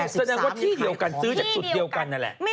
ซึ่งที่เดียวกันซื้อจากสุดเดียวกันแหละ